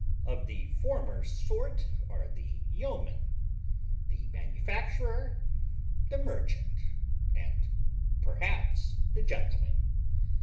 Of the former sort are the yeoman, the manufacturer, the merchant, and perhaps the gentleman.